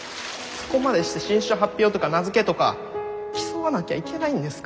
そこまでして新種発表とか名付けとか競わなきゃいけないんですか？